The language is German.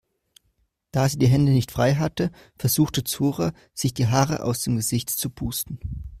Da sie die Hände nicht frei hatte, versuchte Zora sich die Haare aus dem Gesicht zu pusten.